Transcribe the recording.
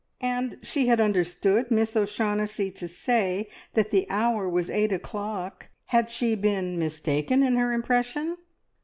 And she had understood Miss O'Shaughnessy to say that the hour was eight o'clock. Had she been mistaken in her impression?